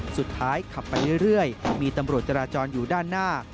ขับไปเรื่อยมีตำรวจจราจรอยู่ด้านหน้า